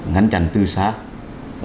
ngăn chặn tư xác